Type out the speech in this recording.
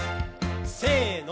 せの。